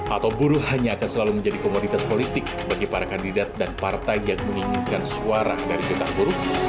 atau buruh hanya akan selalu menjadi komoditas politik bagi para kandidat dan partai yang menginginkan suara dari jutaan buruh